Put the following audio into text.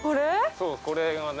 そうこれがね。